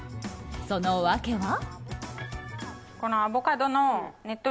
その訳は？